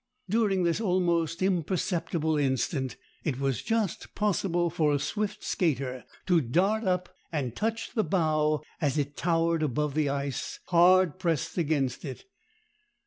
During this almost imperceptible instant it was just possible for a swift skater to dart up and touch the bow as it towered above the ice hard pressed against it.